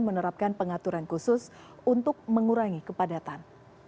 menerapkan pengaturan khusus untuk mengurangi kepadatan